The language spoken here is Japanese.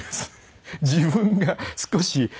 自分が少し。